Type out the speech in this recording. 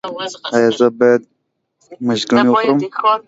ایا زه باید مشګڼې وخورم؟